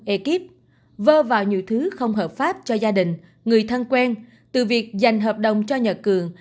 ekip vơ vào nhiều thứ không hợp pháp cho gia đình người thân quen từ việc dành hợp đồng cho nhật cường